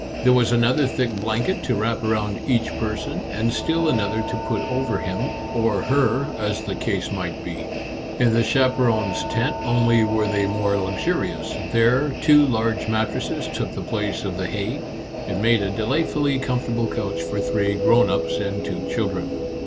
There was another thick blanket to wrap around each person, and still another to put over him, or her, as the case might be. In the chaperons' tent only were they more luxurious ; there, two large mat tresses took the place of the hay, and made a delightfully comfortable couch for three grown ups and two children.